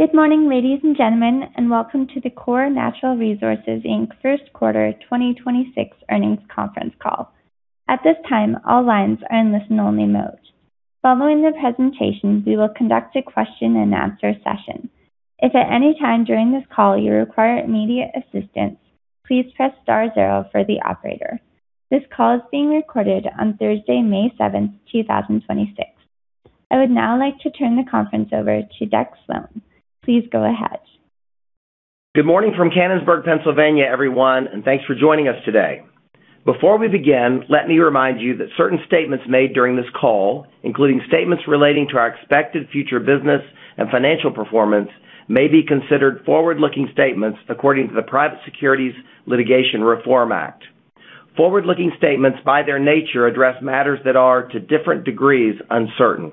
Good morning, ladies and gentlemen, welcome to the Core Natural Resources Inc. Q1 2026 earnings conference call. At this time, all lines are in listen-only mode. Following the presentation, we will conduct a question and answer session. If at any time during this call you require immediate assistance, please press star zero for the operator. This call is being recorded on Thursday, May 7th, 2026. I would now like to turn the conference over to Deck Slone. Please go ahead. Good morning from Canonsburg, Pennsylvania, everyone, and thanks for joining us today. Before we begin, let me remind you that certain statements made during this call, including statements relating to our expected future business and financial performance, may be considered forward-looking statements according to the Private Securities Litigation Reform Act. Forward-looking statements, by their nature, address matters that are, to different degrees, uncertain.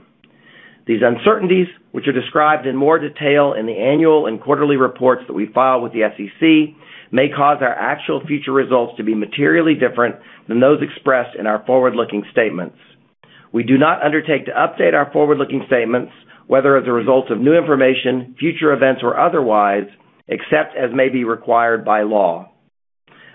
These uncertainties, which are described in more detail in the annual and quarterly reports that we file with the SEC, may cause our actual future results to be materially different than those expressed in our forward-looking statements. We do not undertake to update our forward-looking statements, whether as a result of new information, future events, or otherwise, except as may be required by law.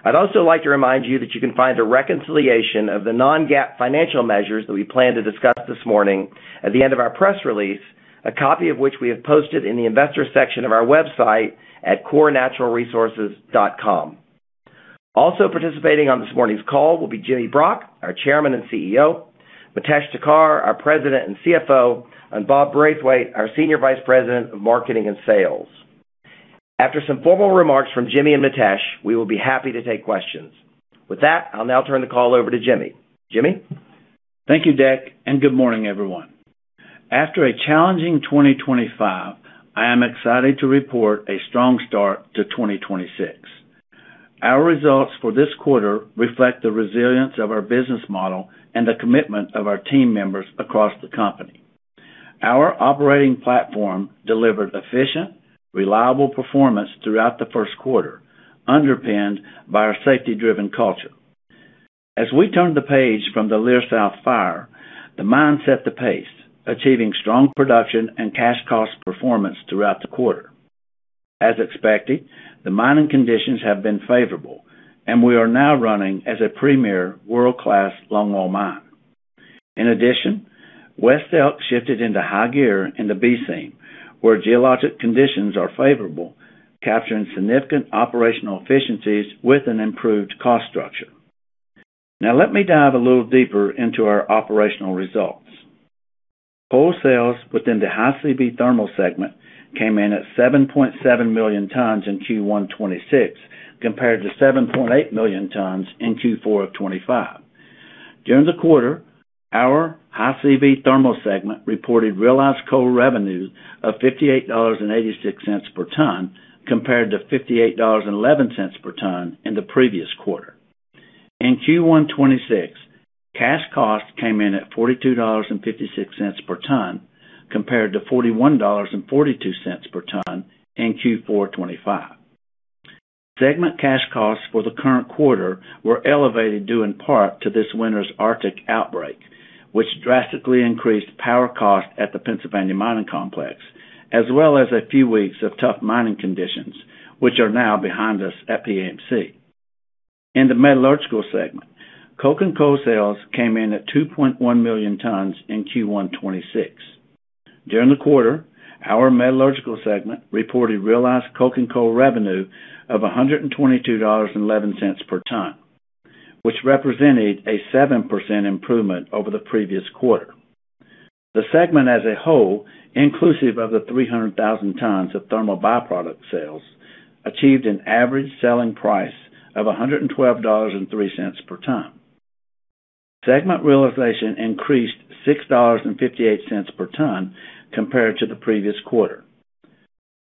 I'd also like to remind you that you can find a reconciliation of the non-GAAP financial measures that we plan to discuss this morning at the end of our press release, a copy of which we have posted in the investor section of our website at corenaturalresources.com. Also participating on this morning's call will be Jimmy Brock, our Chairman and CEO, Mitesh Thakkar, our President and CFO, and Bob Braithwaite, our Senior Vice President of Marketing and Sales. After some formal remarks from Jimmy and Mitesh, we will be happy to take questions. With that, I'll now turn the call over to Jimmy. Jimmy? Thank you, Deck. Good morning, everyone. After a challenging 2025, I am excited to report a strong start to 2026. Our results for this quarter reflect the resilience of our business model and the commitment of our team members across the company. Our operating platform delivered efficient, reliable performance throughout the Q1, underpinned by our safety-driven culture. As we turn the page from the Leer South fire, the mine set the pace, achieving strong production and cash cost performance throughout the quarter. As expected, the mining conditions have been favorable, and we are now running as a premier world-class longwall mine. In addition, West Elk shifted into high gear in the B seam, where geologic conditions are favorable, capturing significant operational efficiencies with an improved cost structure. Now, let me dive a little deeper into our operational results. Coal sales within the High CV Thermal segment came in at 7.7 million tons in Q1 2026 compared to 7.8 million tons in Q4 2025. During the quarter, our High CV Thermal segment reported realized coal revenue of $58.86 per ton compared to $58.11 per ton in the previous quarter. In Q1 2026, cash cost came in at $42.56 per ton compared to $41.42 per ton in Q4 2025. Segment cash costs for the current quarter were elevated due in part to this winter's Arctic outbreak, which drastically increased power cost at the Pennsylvania Mining Complex, as well as a few weeks of tough mining conditions, which are now behind us at PMC. In the Metallurgical segment, cooking coal sales came in at 2.1 million tons in Q1 2026. During the quarter, our Metallurgical segment reported realized coking coal revenue of $122.11 per ton, which represented a 7% improvement over the previous quarter. The segment as a whole, inclusive of the 300,000 tons of thermal byproduct sales, achieved an average selling price of $112.03 per ton. Segment realization increased $6.58 per ton compared to the previous quarter.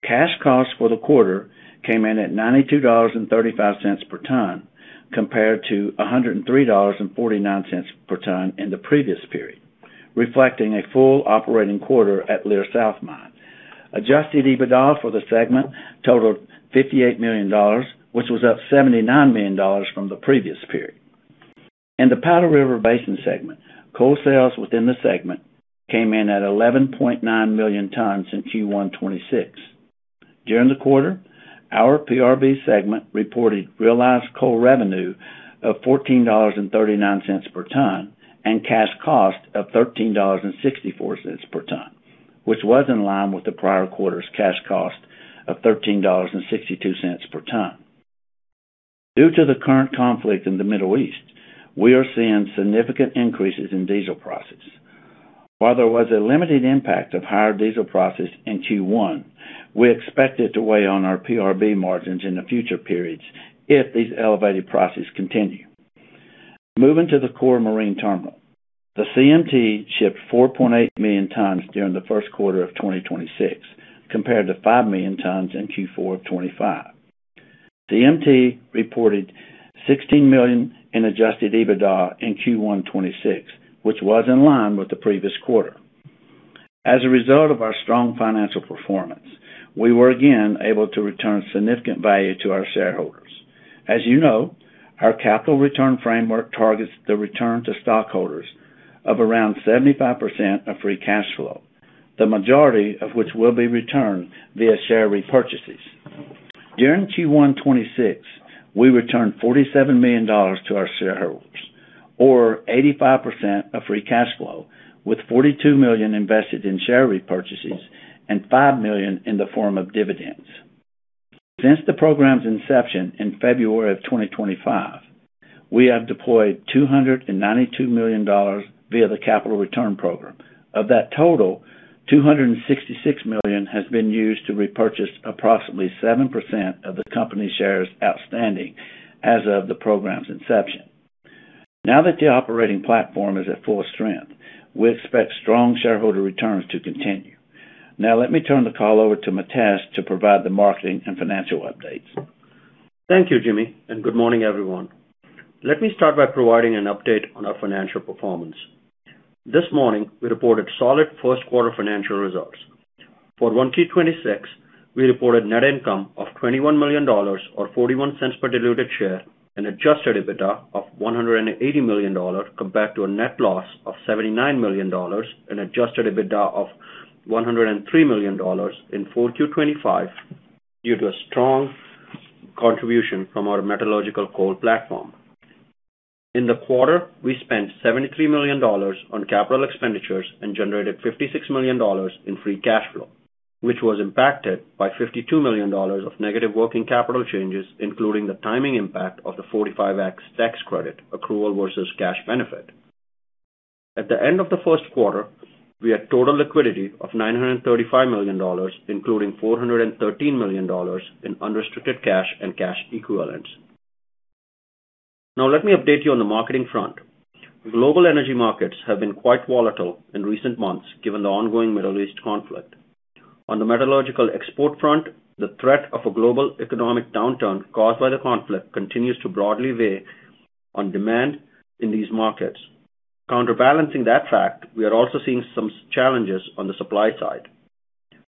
Cash costs for the quarter came in at $92.35 per ton compared to $103.49 per ton in the previous period, reflecting a full operating quarter at Leer South mine. Adjusted EBITDA for the segment totaled $58 million, which was up $79 million from the previous period. In the Powder River Basin segment, coal sales within the segment came in at 11.9 million tons in Q1 2026. During the quarter, our PRB segment reported realized coal revenue of $14.39 per ton and cash cost of $13.64 per ton, which was in line with the prior quarter's cash cost of $13.62 per ton. Due to the current conflict in the Middle East, we are seeing significant increases in diesel prices. While there was a limited impact of higher diesel prices in Q1, we expect it to weigh on our PRB margins in the future periods if these elevated prices continue. Moving to the Core Marine Terminal. The CMT shipped 4.8 million tons during the Q1 of 2026 compared to 5 million tons in Q4 2025. CMT reported $16 million in Adjusted EBITDA in Q1 2026, which was in line with the previous quarter. As a result of our strong financial performance, we were again able to return significant value to our shareholders. As you know, our capital return framework targets the return to stockholders of around 75% of free cash flow, the majority of which will be returned via share repurchases. During Q1 2026, we returned $47 million to our shareholders or 85% of free cash flow, with $42 million invested in share repurchases and $5 million in the form of dividends. Since the program's inception in February 2025, we have deployed $292 million via the capital return program. Of that total, $266 million has been used to repurchase approximately 7% of the company's shares outstanding as of the program's inception. Now that the operating platform is at full strength, we expect strong shareholder returns to continue. Now, let me turn the call over to Mitesh to provide the marketing and financial updates. Thank you, Jimmy, and good morning, everyone. Let me start by providing an update on our financial performance. This morning, we reported solid Q1 financial results. For 1Q 2026, we reported net income of $21 million or $0.41 per diluted share and Adjusted EBITDA of $180 million compared to a net loss of $79 million and Adjusted EBITDA of $103 million in Q4 2025 due to a strong contribution from our metallurgical coal platform. In the quarter, we spent $73 million on capital expenditures and generated $56 million in free cash flow, which was impacted by $52 million of negative working capital changes, including the timing impact of the 45X tax credit accrual versus cash benefit. At the end of the Q1, we had total liquidity of $935 million, including $413 million in unrestricted cash and cash equivalents. Now, let me update you on the marketing front. Global energy markets have been quite volatile in recent months given the ongoing Middle East conflict. On the metallurgical export front, the threat of a global economic downturn caused by the conflict continues to broadly weigh on demand in these markets. Counterbalancing that fact, we are also seeing some challenges on the supply side.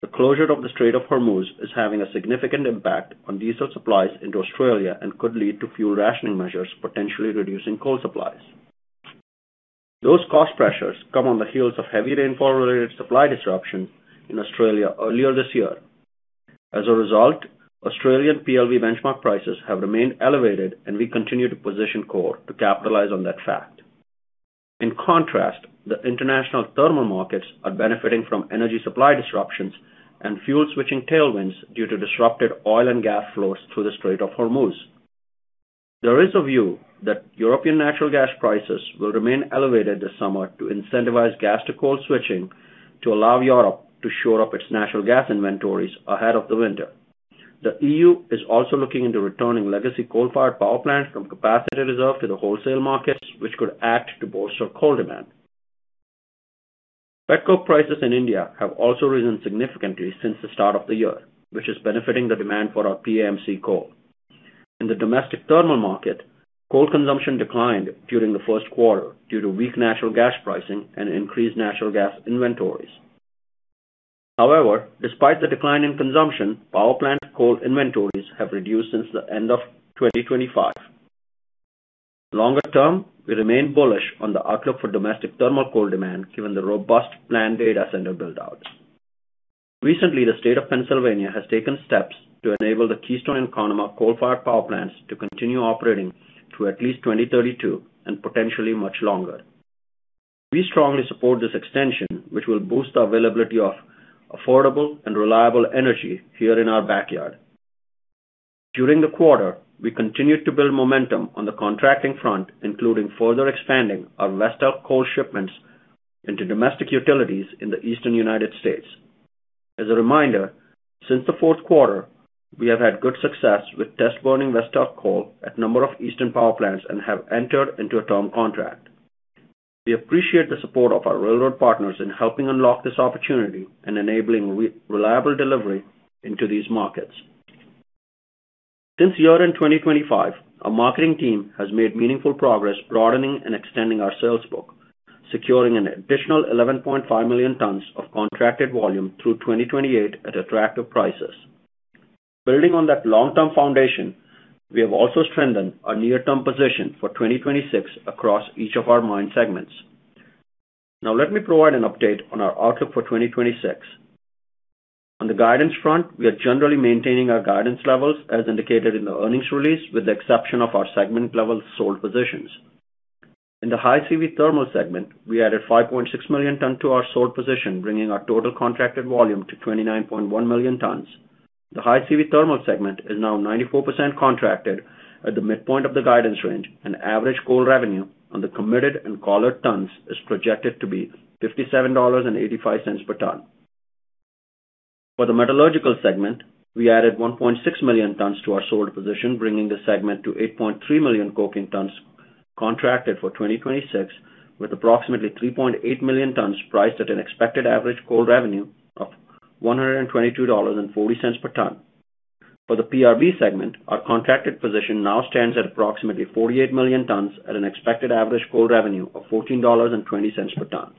The closure of the Strait of Hormuz is having a significant impact on diesel supplies into Australia and could lead to fuel rationing measures, potentially reducing coal supplies. Those cost pressures come on the heels of heavy rainfall-related supply disruption in Australia earlier this year. As a result, Australian PLV benchmark prices have remained elevated, and we continue to position Core to capitalize on that fact. In contrast, the international thermal markets are benefiting from energy supply disruptions and fuel switching tailwinds due to disrupted oil and gas flows through the Strait of Hormuz. There is a view that European natural gas prices will remain elevated this summer to incentivize gas to coal switching to allow Europe to shore up its natural gas inventories ahead of the winter. The EU is also looking into returning legacy coal-fired power plants from capacity reserve to the wholesale markets, which could act to bolster coal demand. Pet coke prices in India have also risen significantly since the start of the year, which is benefiting the demand for our PAMC coal. In the domestic thermal market, coal consumption declined during the Q1 due to weak natural gas pricing and increased natural gas inventories. However, despite the decline in consumption, power plant coal inventories have reduced since the end of 2025. Longer term, we remain bullish on the outlook for domestic thermal coal demand given the robust planned data center build-out. Recently, the State of Pennsylvania has taken steps to enable the Keystone and Conemaugh coal-fired power plants to continue operating through at least 2032 and potentially much longer. We strongly support this extension, which will boost the availability of affordable and reliable energy here in our backyard. During the quarter, we continued to build momentum on the contracting front, including further expanding our West Elk coal shipments into domestic utilities in the Eastern United States. As a reminder, since the Q4, we have had good success with test burning West Elk coal at a number of eastern power plants and have entered into a term contract. We appreciate the support of our railroad partners in helping unlock this opportunity and enabling reliable delivery into these markets. Since year-end 2025, our marketing team has made meaningful progress broadening and extending our sales book, securing an additional 11.5 million tons of contracted volume through 2028 at attractive prices. Building on that long-term foundation, we have also strengthened our near-term position for 2026 across each of our mine segments. Now, let me provide an update on our outlook for 2026. On the guidance front, we are generally maintaining our guidance levels as indicated in the earnings release, with the exception of our segment-level sold positions. In the High CV Thermal segment, we added 5.6 million tons to our sold position, bringing our total contracted volume to 29.1 million tons. The High CV Thermal segment is now 94% contracted at the midpoint of the guidance range, and average coal revenue on the committed and collared tons is projected to be $57.85 per ton. For the Metallurgical segment, we added 1.6 million tons to our sold position, bringing the segment to 8.3 million coking tons contracted for 2026, with approximately 3.8 million tons priced at an expected average coal revenue of $122.40 per ton. For the PRB segment, our contracted position now stands at approximately 48 million tons at an expected average coal revenue of $14.20 per ton.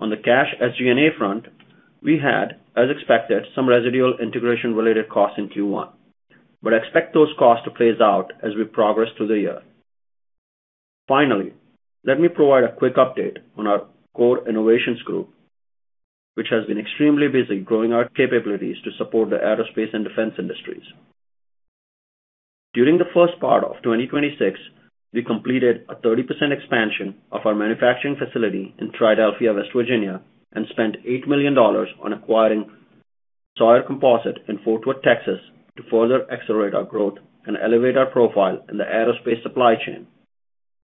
On the cash SG&A front, we had, as expected, some residual integration-related costs in Q1, but expect those costs to phase out as we progress through the year. Let me provide a quick update on our Core Innovations Group, which has been extremely busy growing our capabilities to support the aerospace and defense industries. During the first part of 2026, we completed a 30% expansion of our manufacturing facility in Triadelphia, West Virginia, and spent $8 million on acquiring Sawyer Composite in Fort Worth, Texas, to further accelerate our growth and elevate our profile in the aerospace supply chain.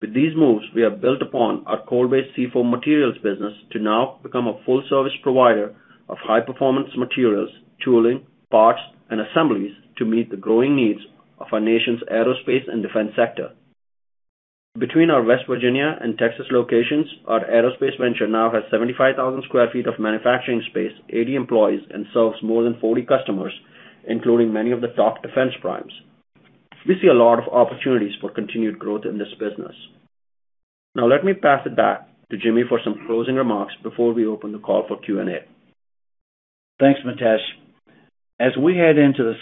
With these moves, we have built upon our coal-based CFOAM materials business to now become a full service provider of high-performance materials, tooling, parts, and assemblies to meet the growing needs of our nation's aerospace and defense sector. Between our West Virginia and Texas locations, our aerospace venture now has 75,000 sq ft of manufacturing space, 80 employees, and serves more than 40 customers, including many of the top defense primes. We see a lot of opportunities for continued growth in this business. Now, let me pass it back to Jimmy for some closing remarks before we open the call for Q&A. Thanks, Mitesh. As we head into the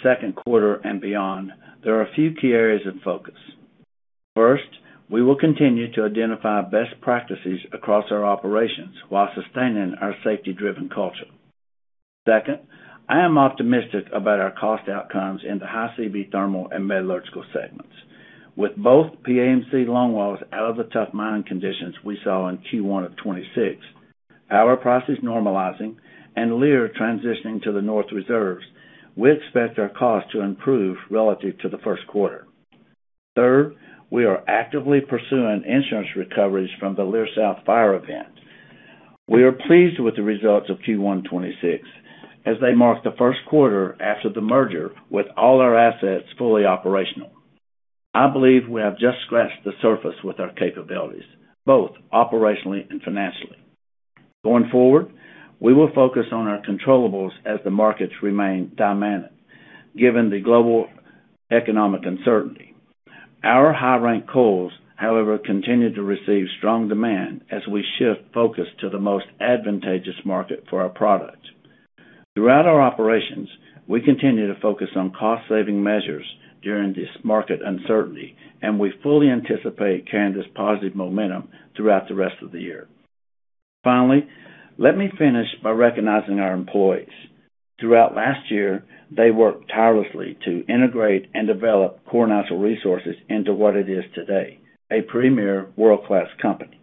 Q2 and beyond, there are a few key areas of focus. First, we will continue to identify best practices across our operations while sustaining our safety-driven culture. Second, I am optimistic about our cost outcomes in the High CV Thermal and Metallurgical segments. With both PAMC longwalls out of the tough mining conditions we saw in Q1 2026, our prices normalizing, and Leer transitioning to the north reserves, we expect our cost to improve relative to the Q1. Third, we are actively pursuing insurance recoveries from the Leer South fire event. We are pleased with the results of Q1 2026 as they mark the Q1 after the merger with all our assets fully operational. I believe we have just scratched the surface with our capabilities, both operationally and financially. Going forward, we will focus on our controllables as the markets remain dynamic, given the global economic uncertainty. Our high-rank coals, however, continue to receive strong demand as we shift focus to the most advantageous market for our products. Throughout our operations, we continue to focus on cost-saving measures during this market uncertainty, and we fully anticipate carrying this positive momentum throughout the rest of the year. Finally, let me finish by recognizing our employees. Throughout last year, they worked tirelessly to integrate and develop Core Natural Resources into what it is today, a premier world-class company.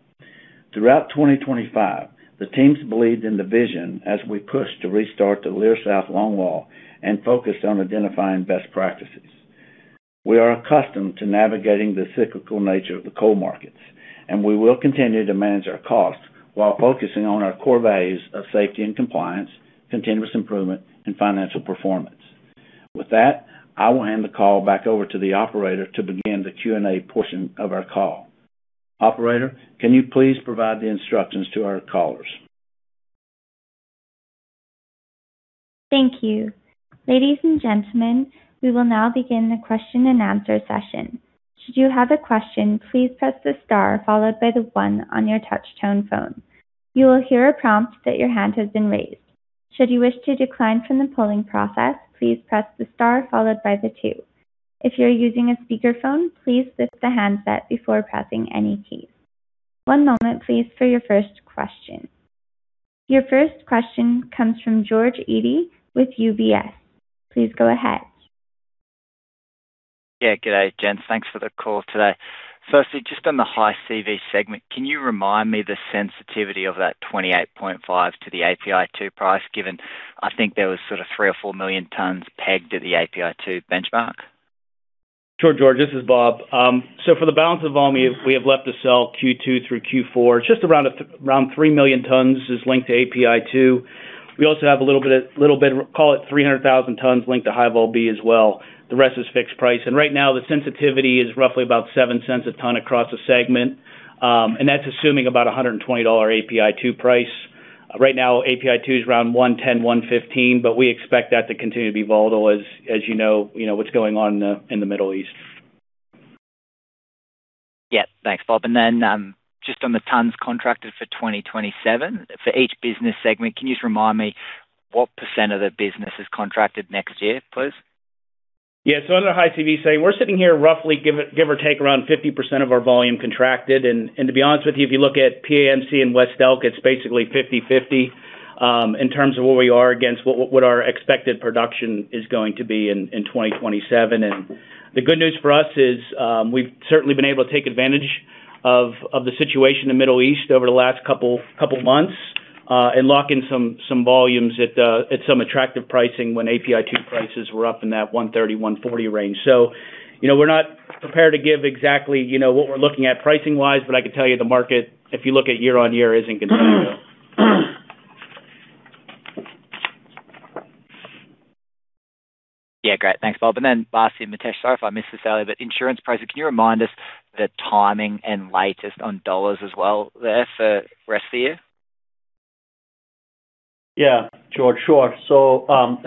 Throughout 2025, the teams believed in the vision as we pushed to restart the Leer South longwall and focused on identifying best practices. We are accustomed to navigating the cyclical nature of the coal markets, and we will continue to manage our costs while focusing on our core values of safety and compliance, continuous improvement, and financial performance. With that, I will hand the call back over to the operator to begin the Q&A portion of our call. Operator, can you please provide the instructions to our callers? Thank you. Ladies and gentlemen, we will now begin the question-and-answer session. Should you have a question, please press the star followed by the one on your touch-tone phone. You will hear a prompt that your hand has been raised. Should you wish to decline from the polling process, please press the star followed by the two. If you're using a speakerphone, please lift the handset before pressing any keys. One moment please for your first question. Your first question comes from George Eddy with UBS. Please go ahead. Hey, good day, gents. Thanks for the call today. Firstly, just on the High CV segment, can you remind me the sensitivity of that $28.5 to the API2 price, given, I think, there was sort of 3 or 4 million tons pegged at the API2 benchmark? Sure, George, this is Bob. For the balance of volume, we have left to sell Q2 through Q4. Just around 3 million tons is linked to API2. We also have, call it 300,000 tons linked to high-vol B as well. The rest is fixed price. Right now, the sensitivity is roughly about $0.07 a ton across the segment, and that's assuming about a $120 API2 price. Right now API2 is around $110, $115, but we expect that to continue to be volatile as you know what's going on in the Middle East. Yeah. Thanks, Bob. The, just on the tons contracted for 2027 for each business segment, can you just remind me what percentage of the business is contracted next year, please? Yeah. Under High CV segment, we're sitting here roughly give or take around 50% of our volume contracted. To be honest with you, if you look at PAMC and West Elk, it's basically 50/50 in terms of where we are against what our expected production is going to be in 2027. The good news for us is, we've certainly been able to take advantage of the situation in the Middle East over the last couple of months and lock in some volumes at some attractive pricing when API2 prices were up in that $130, $140 range. You know, we're not prepared to give exactly, you know, what we're looking at pricing-wise, but I can tell you the market, if you look at year-on-year, isn't going. Yeah. Great. Thanks, Bob. Lastly, Mitesh, sorry if I missed this earlier, insurance pricing, can you remind us the timing and latest on dollars as well there for rest of the year? Yeah. George. Sure.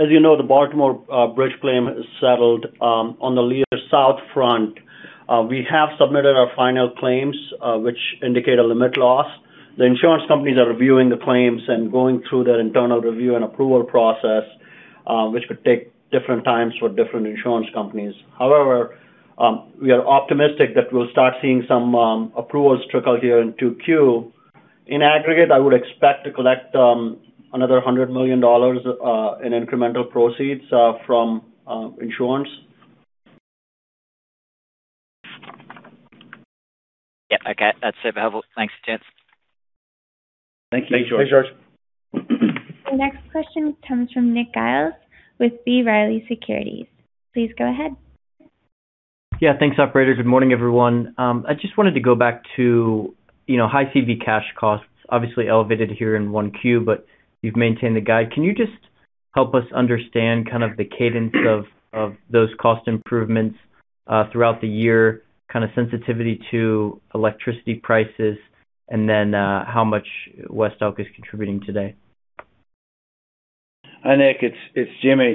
As you know, the Baltimore Bridge claim is settled on the Leer South front. We have submitted our final claims, which indicate a limit loss. The insurance companies are reviewing the claims and going through their internal review and approval process, which could take different times for different insurance companies. However, we are optimistic that we'll start seeing some approvals trickle here in Q2. In aggregate, I would expect to collect another $100 million in incremental proceeds from insurance. Yeah. Okay. That's super helpful. Thanks, gents. Thank you, George. Thanks, George. The next question comes from Nick Giles with B. Riley Securities. Please go ahead. Yeah, thanks, operator. Good morning, everyone. I just wanted to go back to, you know, High CV cash costs, obviously elevated here in Q1, but you've maintained the guide. Can you just help us understand kind of the cadence of those cost improvements throughout the year, kind of sensitivity to electricity prices and then how much West Elk is contributing today? Hi, Nick. It's Jimmy.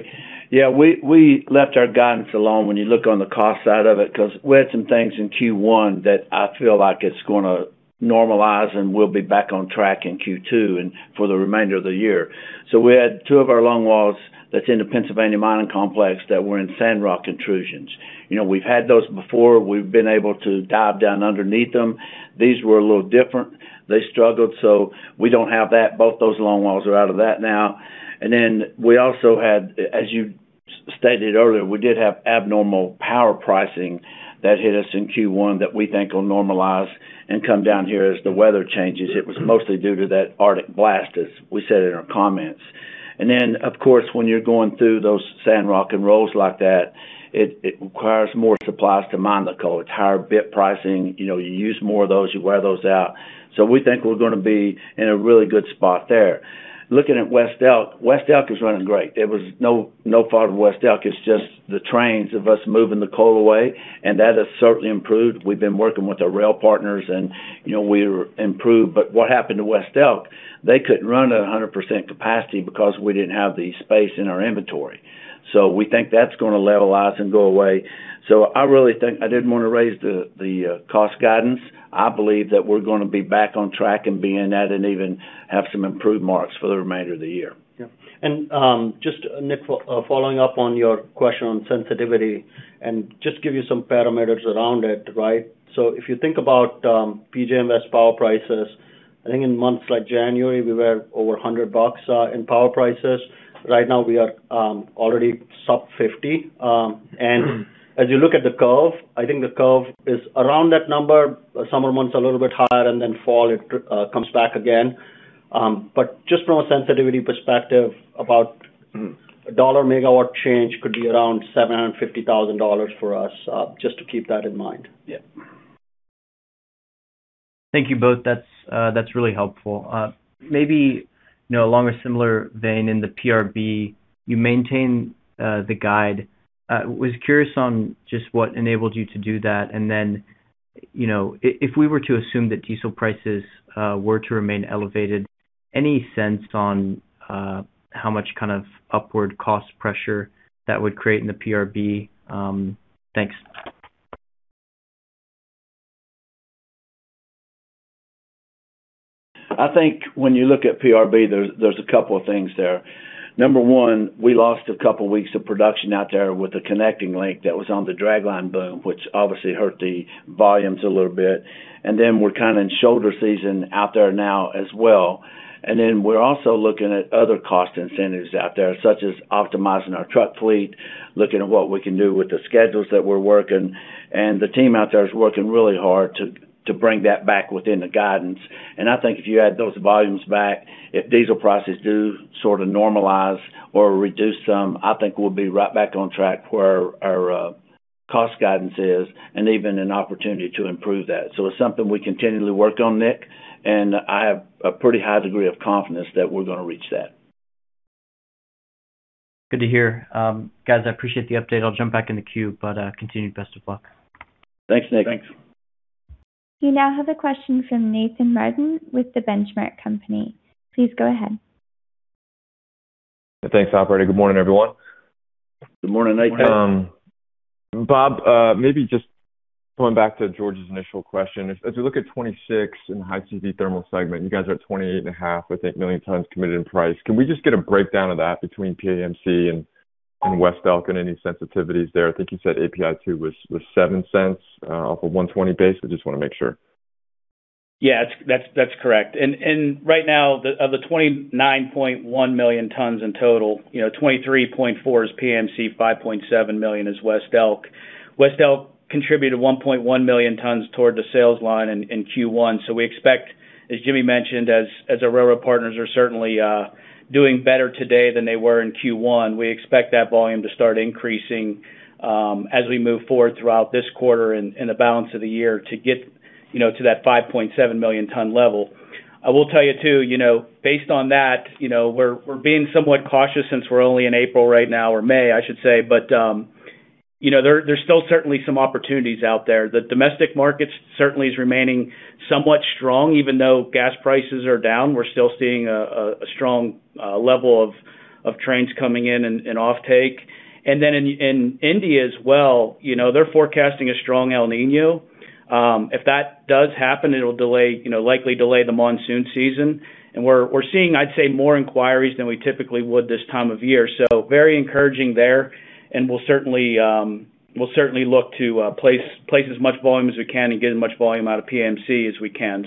Yeah, we left our guidance alone when you look on the cost side of it because we had some things in Q1 that I feel like it's gonna normalize, and we'll be back on track in Q2 and for the remainder of the year. We had two of our long walls that's in the Pennsylvania Mining Complex that were in sandrock intrusions. You know, we've had those before. We've been able to dive down underneath them. These were a little different. They struggled, so we don't have that. Both those long walls are out of that now, and we also had, as you stated earlier, we did have abnormal power pricing that hit us in Q1 that we think will normalize and come down here as the weather changes. It was mostly due to that Arctic blast, as we said in our comments. Of course, when you're going through those sandrock and rolls like that, it requires more supplies to mine the coal. It's higher bit pricing. You know, you use more of those, you wear those out, so we think we're gonna be in a really good spot there. Looking at West Elk, West Elk is running great. There was no fault of West Elk. It's just the trains of us moving the coal away, and that has certainly improved. We've been working with our rail partners and, you know, we improved, but what happened to West Elk? They couldn't run at 100% capacity because we didn't have the space in our inventory. We think that's gonna levelize and go away. I really think I didn't want to raise the cost guidance. I believe that we're gonna be back on track and be in that and even have some improved marks for the remainder of the year. Nick, following up on your question on sensitivity and just give you some parameters around it, right? If you think about PJM power prices, I think in months like January, we were over $100 in power prices. Right now, we are already sub-50, and as you look at the curve, I think the curve is around that number. Summer months a little bit higher, fall it comes back again, but just from a sensitivity perspective, about a $1 MW change could be around $750,000 for us, just to keep that in mind. Yeah. Thank you both. That's really helpful. Maybe, you know, along a similar vein in the PRB, you maintain the guide. Was curious on just what enabled you to do that, and then, you know, if we were to assume that diesel prices were to remain elevated, any sense on how much kind of upward cost pressure that would create in the PRB? Thanks. I think when you look at PRB, there's a couple of things there. Number one, we lost a couple weeks of production out there with the connecting link that was on the dragline boom, which obviously hurt the volumes a little bit, and we're kind of in shoulder season out there now as well, and then we're also looking at other cost incentives out there, such as optimizing our truck fleet, looking at what we can do with the schedules that we're working. The team out there is working really hard to bring that back within the guidance. I think if you add those volumes back, if diesel prices do sort of normalize or reduce some, I think we'll be right back on track where our cost guidance is and even an opportunity to improve that. It's something we continually work on, Nick, and I have a pretty high degree of confidence that we're gonna reach that. Good to hear. Guys, I appreciate the update. I'll jump back in the queue, but continue best of luck. Thanks, Nick. Thanks. You now have a question from Nathan Martin with The Benchmark Company. Please go ahead. Thanks, operator. Good morning, everyone. Good morning, Nathan. Bob, maybe just going back to George's initial question. As we look at 2026 in the High CV Thermal segment, you guys are 28.5 million tons committed in price. Can we just get a breakdown of that between PAMC and West Elk and any sensitivities there? I think you said API2 was $0.07 off a 120 base. I just wanna make sure. Yeah. That's correct. Right now, of the 29.1 million tons in total, you know, 23.4 is PAMC, 5.7 million is West Elk. West Elk contributed 1.1 million tons toward the sales line in Q1. We expect, as Jimmy mentioned, as our railroad partners are certainly doing better today than they were in Q1, we expect that volume to start increasing as we move forward throughout this quarter and the balance of the year to get, you know, to that 5.7 million ton level. I will tell you too, you know, based on that, you know, we're being somewhat cautious since we're only in April right now or May, I should say. You know, there's still certainly some opportunities out there. The domestic market certainly is remaining somewhat strong. Even though gas prices are down, we're still seeing a strong level of trains coming in and offtake., and then in India as well, you know, they're forecasting a strong El Niño. If that does happen, it'll delay, you know, likely delay the monsoon season. We're seeing, I'd say, more inquiries than we typically would this time of year, so very encouraging there, and we'll certainly look to place as much volume as we can and get as much volume out of PAMC as we can.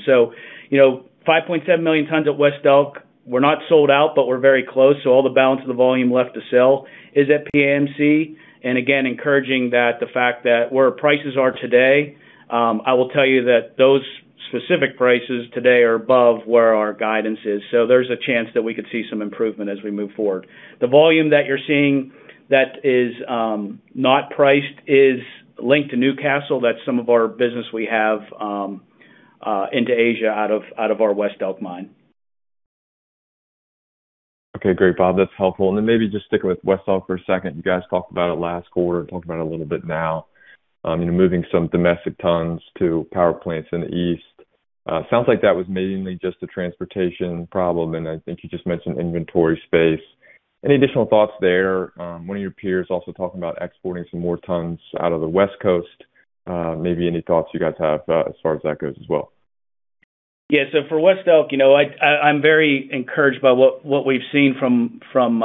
You know, 5.7 million tons at West Elk. We're not sold out, we're very close, so all the balance of the volume left to sell is at PAMC, and again, encouraging that the fact that where prices are today, I will tell you that those specific prices today are above where our guidance is so there's a chance that we could see some improvement as we move forward. The volume that you're seeing that is not priced is linked to Newcastle. That's some of our business we have into Asia out of our West Elk mine. Okay. Great, Bob. That's helpful. Maybe just sticking with West Elk for a second. You guys talked about it last quarter and talked about it a little bit now. You know, moving some domestic tons to power plants in the East. Sounds like that was mainly just a transportation problem, and I think you just mentioned inventory space. Any additional thoughts there? One of your peers also talking about exporting some more tons out of the West Coast. Maybe any thoughts you guys have as far as that goes as well? Yeah. For West Elk, you know, I'm very encouraged by what we've seen from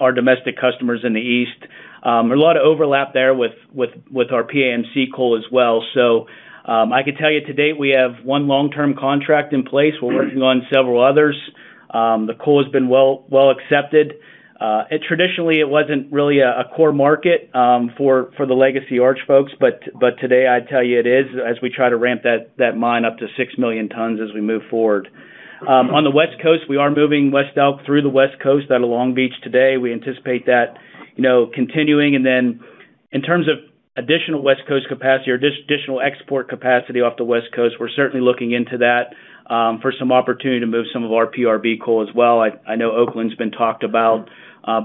our domestic customers in the East. A lot of overlap there with our PAMC coal as well. I could tell you to date, we have one long-term contract in place. We're working on several others. The coal has been well accepted. Traditionally, it wasn't really a core market for the legacy Arch folks, but today, I'd tell you it is, as we try to ramp that mine up to 6 million tons as we move forward. On the West Coast, we are moving West Elk through the West Coast out of Long Beach today. We anticipate that, you know, continuing. Then i,n terms of additional West Coast capacity or just additional export capacity off the West Coast, we're certainly looking into that for some opportunity to move some of our PRB coal as well. I know Oakland's been talked about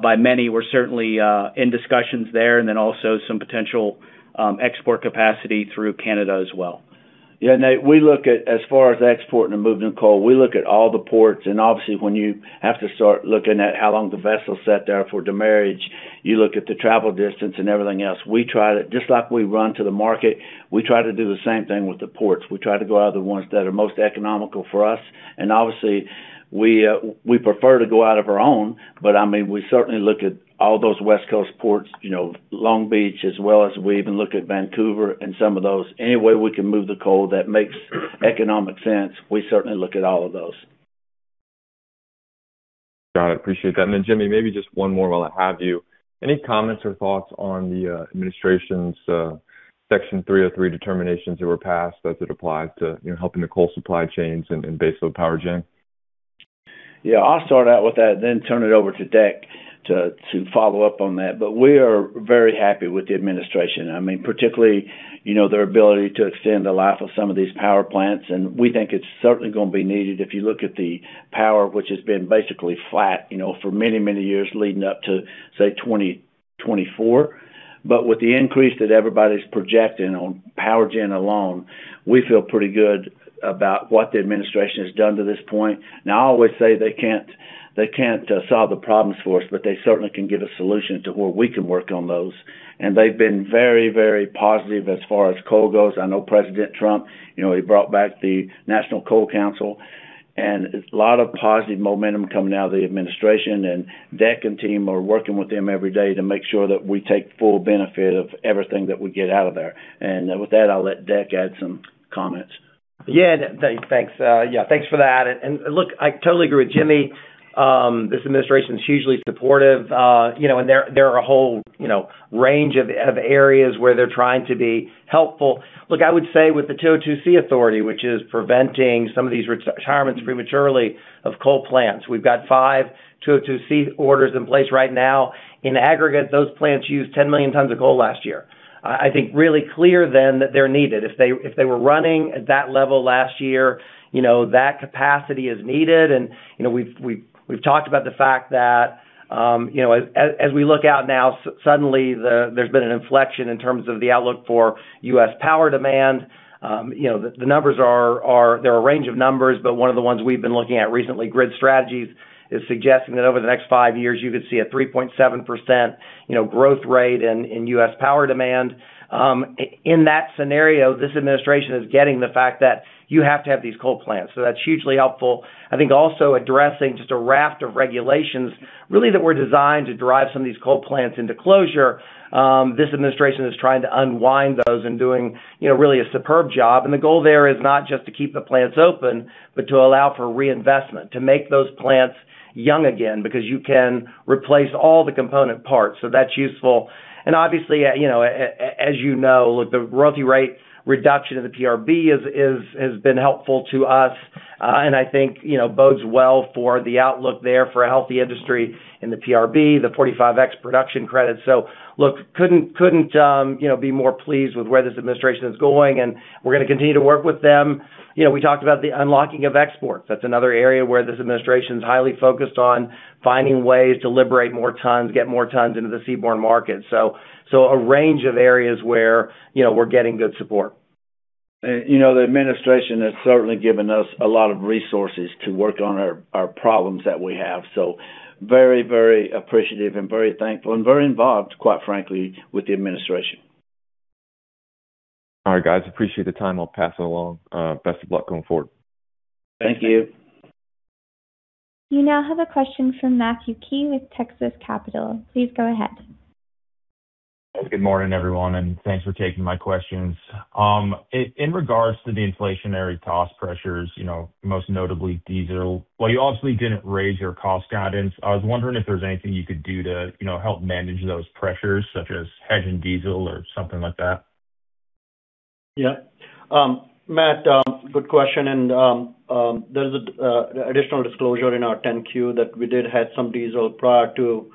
by many. We're certainly in discussions there and then also some potential export capacity through Canada as well. Yeah. We look at, as far as exporting and moving the coal, we look at all the ports. Obviously, when you have to start looking at how long the vessel sat there for demurrage, you look at the travel distance and everything else. Just like we run to the market, we try to do the same thing with the ports. We try to go out of the ones that are most economical for us, and obviously, we prefer to go out of our own. I mean, we certainly look at all those West Coast ports, you know, Long Beach, as well as we even look at Vancouver and some of those. Anywhere we can move the coal that makes economic sense, we certainly look at all of those. Got it. Appreciate that. Then, Jimmy, maybe just one more while I have you. Any comments or thoughts on the administration's Section 303 determinations that were passed as it applies to, you know, helping the coal supply chains and baseload power gen? Yeah. I'll start out with that, then turn it over to Deck to follow up on that. We are very happy with the administration. I mean, particularly, you know, their ability to extend the life of some of these power plants, and we think it's certainly gonna be needed if you look at the power, which has been basically flat, you know, for many, many years leading up to, say, 2024. With the increase that everybody's projecting on power gen alone, we feel pretty good about what the administration has done to this point. Now, I always say they can't solve the problems for us, but they certainly can give a solution to where we can work on those, and they've been very, very positive as far as coal goes. I know President Trump, you know, he brought back the National Coal Council. It's a lot of positive momentum coming out of the administration. Deck and team are working with them every day to make sure that we take full benefit of everything that we get out of there. With that, I'll let Deck add some comments. Yeah. Thanks. Yeah, thanks for that. Look, I totally agree with Jimmy. This administration's hugely supportive. You know, there are a whole, you know, range of areas where they're trying to be helpful. Look, I would say with the Section 202(c) authority, which is preventing some of these retirements prematurely of coal plants. We've got five Section 202(c) orders in place right now. In aggregate, those plants used 10 million tons of coal last year. I think really clear then that they're needed. If they were running at that level last year, you know, that capacity is needed. You know, we've talked about the fact that, you know, as we look out now, suddenly there's been an inflection in terms of the outlook for U.S. power demand. You know, the numbers are a range of numbers, but one of the ones we've been looking at recently, Grid Strategies, is suggesting that over the next five years, you could see a 3.7%, you know, growth rate in U.S. power demand. In that scenario, this administration is getting the fact that you have to have these coal plants, so that's hugely helpful. I think also addressing just a raft of regulations really that were designed to drive some of these coal plants into closure. This administration is trying to unwind those and doing, you know, really a superb job, and the goal there is not just to keep the plants open, but to allow for reinvestment, to make those plants young again, because you can replace all the component parts, so that's useful. Obviously, you know, as you know, the royalty rate reduction in the PRB has been helpful to us, and I think, you know, bodes well for the outlook there for a healthy industry in the PRB, the 45X production credit. Look, couldn't, you know, be more pleased with where this administration is going, and we're gonna continue to work with them. You know, we talked about the unlocking of exports. That's another area where this administration is highly focused on finding ways to liberate more tons, get more tons into the seaborne market so a range of areas where, you know, we're getting good support. You know, the administration has certainly given us a lot of resources to work on our problems that we have, so very, very appreciative and very thankful and very involved, quite frankly, with the administration. All right, guys, appreciate the time. I'll pass it along. Best of luck going forward. Thank you. You now have a question from Matthew Key with Texas Capital. Please go ahead. Good morning, everyone, and thanks for taking my questions. In regards to the inflationary cost pressures, you know, most notably diesel, while you obviously didn't raise your cost guidance, I was wondering if there's anything you could do to, you know, help manage those pressures, such as hedging diesel or something like that? Yeah. Matt, good question. There's additional disclosure in our 10-Q that we did hedge some diesel prior to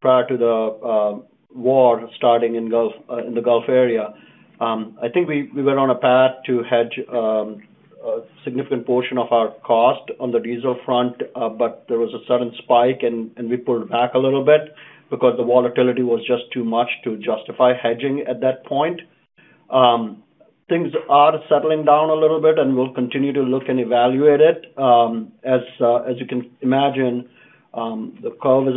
prior to the war starting in Gulf in the Gulf area. I think we were on a path to hedge a significant portion of our cost on the diesel front, but there was a sudden spike, and we pulled back a little bit because the volatility was just too much to justify hedging at that point. Things are settling down a little bit, and we'll continue to look and evaluate it. As you can imagine, the curve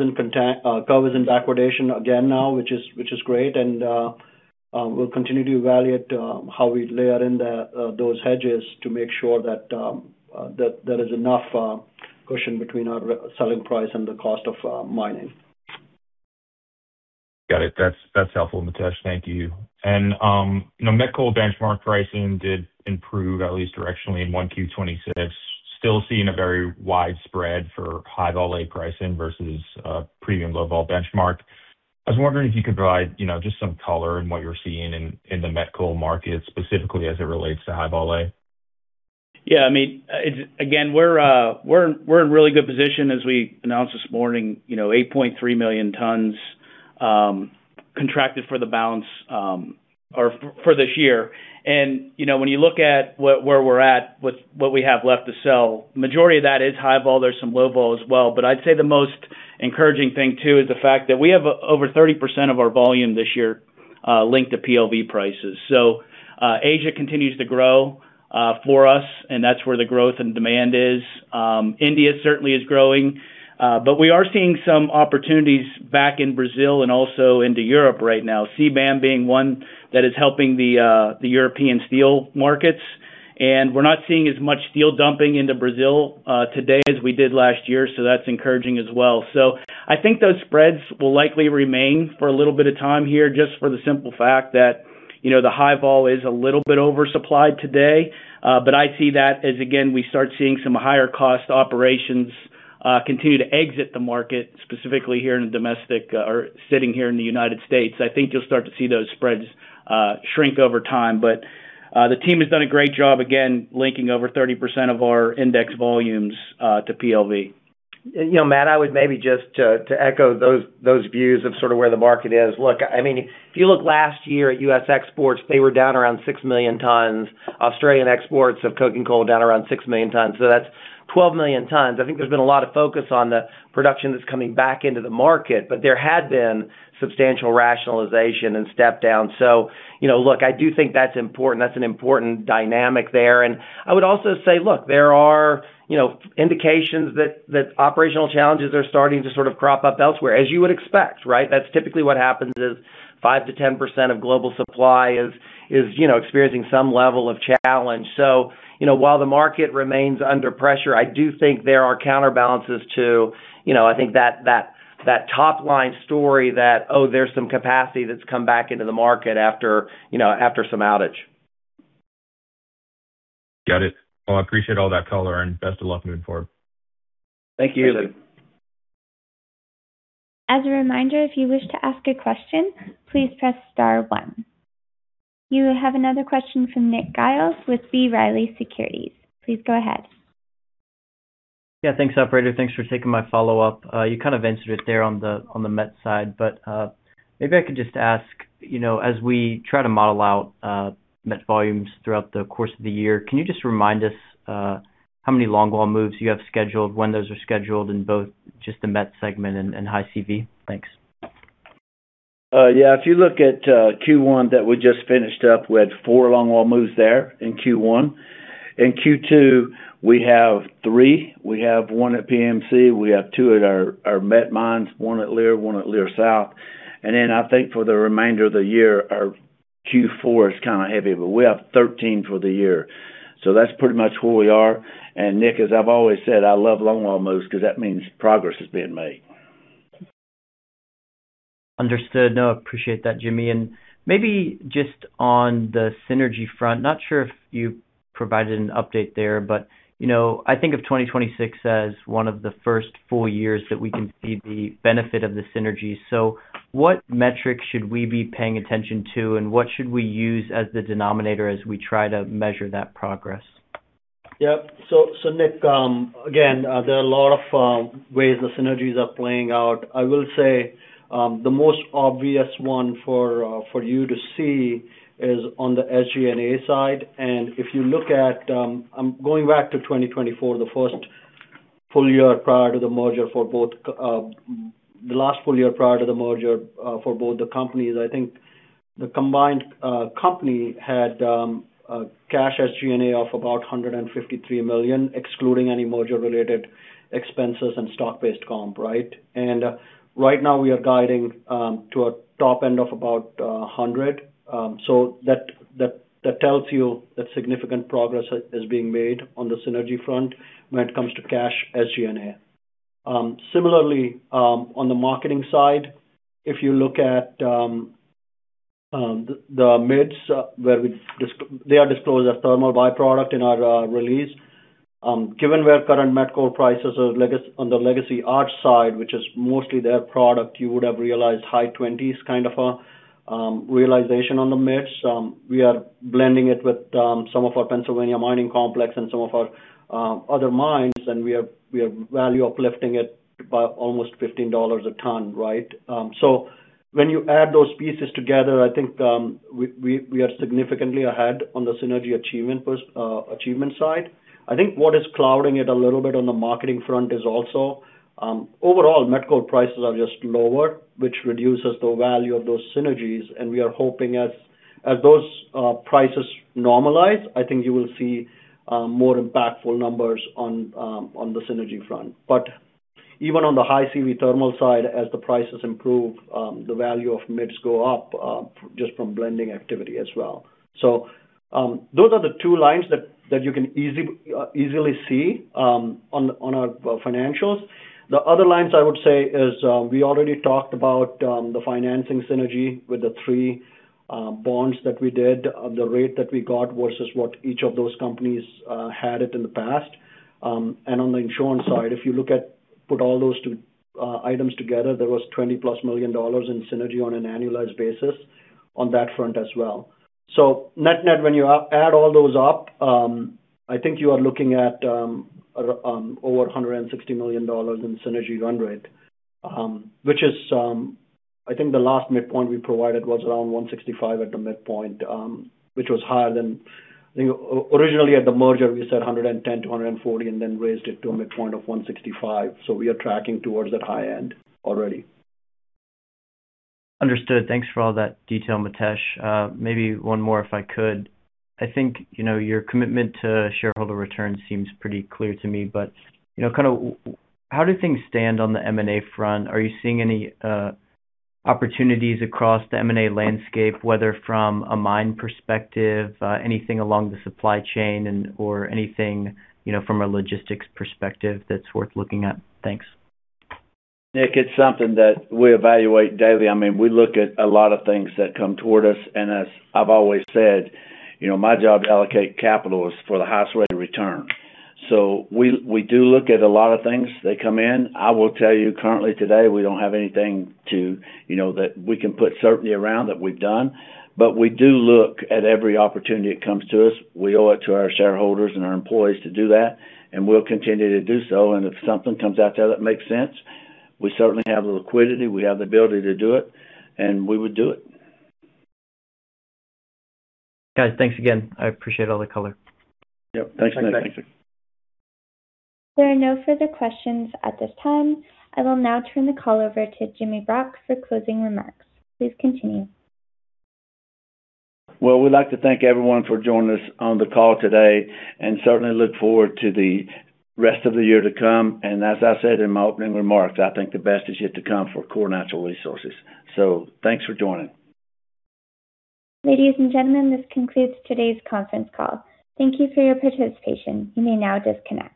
is in backwardation again now, which is great, and we'll continue to evaluate how we layer in those hedges to make sure that there is enough cushion between our selling price and the cost of mining. Got it. That's helpful, Mitesh. Thank you. You know, met coal benchmark pricing did improve, at least directionally in Q1 2026. Still seeing a very wide spread for high-vol A pricing versus premium low-vol benchmark. I was wondering if you could provide, you know, just some color on what you're seeing in the met coal market, specifically as it relates to high-vol A. Yeah. I mean, it's again, we're in really good position as we announced this morning, you know, 8.3 million tons contracted for the balance or for this year. You know, when you look at where we're at with what we have left to sell, majority of that is high vol. There's some low vol as well. I'd say the most encouraging thing too, is the fact that we have over 30% of our volume this year linked to PLV prices. Asia continues to grow for us, and that's where the growth and demand is. India certainly is growing, but we are seeing some opportunities back in Brazil and also into Europe right now. CBAM being one that is helping the European steel markets. We're not seeing as much steel dumping into Brazil today as we did last year so that's encouraging as well. I think those spreads will likely remain for a little bit of time here, just for the simple fact that, you know, the high vol is a little bit oversupplied today, but I see that as, again, we start seeing some higher cost operations continue to exit the market, specifically here in the domestic, or sitting here in the United States. I think you'll start to see those spreads shrink over time, but the team has done a great job, again, linking over 30% of our index volumes to PLV. Matt, I would maybe just to echo those views of sort of where the market is. If you look last year at U.S. exports, they were down around 6 million tons, Australian exports of coking coal down around 6 million tons, so that's 12 million tons. I think there's been a lot of focus on the production that's coming back into the market, but there had been substantial rationalization and step down. I do think that's important. That's an important dynamic there. I would also say, there are indications that operational challenges are starting to sort of crop up elsewhere, as you would expect, right? That's typically what happens is 5%-10% of global supply is experiencing some level of challenge. You know, while the market remains under pressure, I do think there are counterbalances to, you know, I think that top-line story that, oh, there's some capacity that's come back into the market after, you know, after some outage. Got it. Well, I appreciate all that color, and best of luck moving forward. Thank you. Thank you. As a reminder, if you wish to ask a question, please press star one. You have another question from Nick Giles with B. Riley Securities. Please go ahead. Thanks, operator. Thanks for taking my follow-up. You kind of answered it there on the met side, but maybe I could just ask, you know, as we try to model out met volumes throughout the course of the year, can you just remind us how many longwall moves you have scheduled, when those are scheduled in both just the met segment and high CV? Thanks. Yeah. If you look at Q1 that we just finished up, we had four longwall moves there in Q1. In Q2, we have three: We have one at PMC, we have two at our met mines, one at Leer, one at Leer South, and then I think for the remainder of the year, our Q4 is kind of heavy, but we have 13 for the year. That's pretty much where we are, and Nick, as I've always said, I love longwall moves because that means progress is being made. Understood. No, I appreciate that, Jimmy. Maybe just on the synergy front. Not sure if you provided an update there, but, you know, I think of 2026 as one of the first full years that we can see the benefit of the synergies, so what metrics should we be paying attention to, and what should we use as the denominator as we try to measure that progress? Nick, again, there are a lot of ways the synergies are playing out. I will say, the most obvious one for you to see is on the SG&A side. If you look at, I am going back to 2024, the first full year prior to the merger for both, the last full year prior to the merger, for both the companies, I think the combined company had cash SG&A of about $153 million, excluding any merger-related expenses and stock-based comp, right, and right now we are guiding to a top end of about $100 million, so that tells you that significant progress is being made on the synergy front when it comes to cash SG&A. Similarly, on the marketing side, if you look at the middlings where they are disclosed as thermal by-product in our release. Given where current met coal prices are on the legacy Arch side, which is mostly their product, you would have realized high twenties kind of a realization on the middlings. We are blending it with some of our Pennsylvania mining complex and some of our other mines, and we are value uplifting it by almost $15 a ton, right, so when you add those pieces together, I think we are significantly ahead on the synergy achievement side. I think what is clouding it a little bit on the marketing front is also, overall met coal prices are just lower, which reduces the value of those synergies and we are hoping as those prices normalize, I think you will see more impactful numbers on the synergy front, but even on the High CV Thermal side, as the prices improve, the value of middlings go up just from blending activity as well. Those are the two lines that you can easily see on our financials. The other lines I would say is, we already talked about the financing synergy with the three bonds that we did. The rate that we got versus what each of those companies had it in the past, and on the insurance side, if you look at put all those to items together, there was $20+ million in synergy on an annualized basis on that front as well. So net-net, when you add all those up, I think you are looking at over $160 million in synergy run rate, which is, I think, the last midpoint we provided was around $165 at the midpoint, which was higher than, I think, originally at the merger we said $110 million-$140 million and then raised it to a midpoint of $165, so we are tracking towards that high end already. Understood. Thanks for all that detail, Mitesh. Maybe one more, if I could. I think, you know, your commitment to shareholder returns seems pretty clear to me. You know, kinda how do things stand on the M&A front? Are you seeing any opportunities across the M&A landscape, whether from a mine perspective, anything along the supply chain and/or anything, you know, from a logistics perspective that's worth looking at? Thanks. Nick, it's something that we evaluate daily. I mean, we look at a lot of things that come toward us, and as I've always said, you know, my job to allocate capital is for the highest rate of return. We do look at a lot of things that come in. I will tell you currently today, we don't have anything to, you know, that we can put certainty around that we've done, but we do look at every opportunity that comes to us. We owe it to our shareholders and our employees to do that, and we'll continue to do so, and if something comes out there that makes sense, we certainly have the liquidity, we have the ability to do it, and we would do it. Guys, thanks again. I appreciate all the color. Yep. Thanks, Nick. Thanks. There are no further questions at this time. I will now turn the call over to Jimmy Brock for closing remarks. Please continue. Well, we'd like to thank everyone for joining us on the call today, and certainly look forward to the rest of the year to come. As I said in my opening remarks, I think the best is yet to come for Core Natural Resources. Thanks for joining. Ladies and gentlemen, this concludes today's conference call. Thank you for your participation. You may now disconnect.